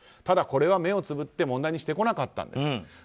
ただ、これは目をつぶって問題にしてこなかったんです。